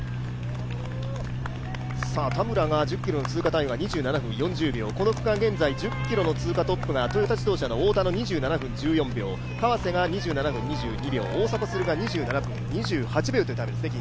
田村が１０ｋｍ通過タイムが２７分４０秒、この区間現在１０ｋｍの通過トップがトヨタ自動車の太田がトップで２７分１４秒、川瀬が２７分２２秒、大迫傑２７分２８秒というタイムですね。